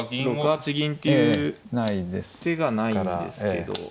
６八銀っていう手がないんですけど。